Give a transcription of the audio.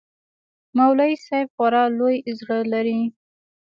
مولوى صاحب خورا لوى زړه لري.